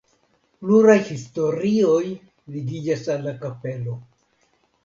Pluraj historioj ligiĝas al la kapelo.